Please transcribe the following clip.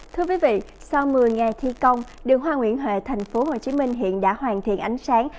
thưa quý vị sau một mươi ngày thi công đường hoa nguyễn huệ thành phố hồ chí minh hiện đã hoàn thiện ánh sáng